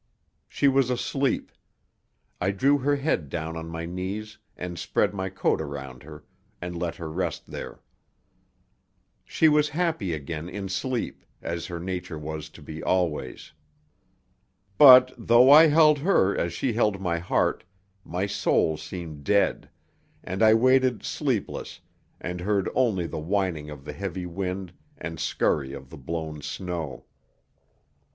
She was asleep. I drew her head down on my knees and spread my coat around her, and let her rest there. She was happy again in sleep, as her nature was to be always. But, though I held her as she held my heart, my soul seemed dead, and I waited sleepless and heard only the whining of the heavy wind and scurry of the blown snow.